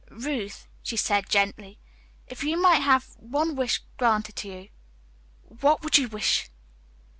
"Ruth," she said gently, "if you might have one wish granted to you, what would you wish?"